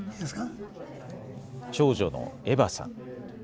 長女のエヴァさん。